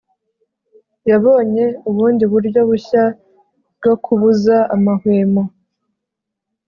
Yabonye ubundi buryo bushya bwo kubuza amahwemo